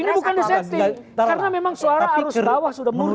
ini bukan di setting karena memang suara arus bawah sudah mengirim